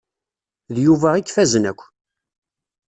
D Yuba i ifazen akk.